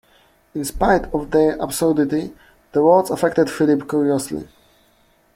In spite of their absurdity the words affected Philip curiously.